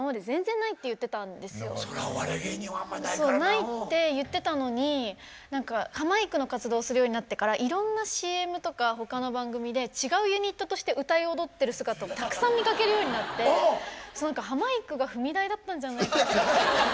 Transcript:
ないって言ってたのに何かハマいくの活動をするようになってからいろんなＣＭとか他の番組で違うユニットとして歌い踊ってる姿をたくさん見かけるようになってハマいくが踏み台だったんじゃないか。